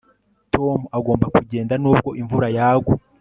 Tom agomba kugenda nubwo imvura yagwa